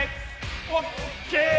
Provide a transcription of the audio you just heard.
ＯＫ！